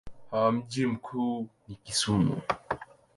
Mji mkuu ni Kisumu.